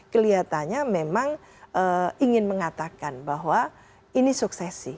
kelihatannya memang ingin mengatakan bahwa ini suksesi